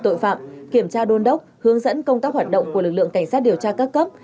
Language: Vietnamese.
tội phạm kiểm tra đôn đốc hướng dẫn công tác hoạt động của lực lượng cảnh sát điều tra các cấp